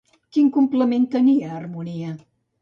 Quin complement tenia Harmonia?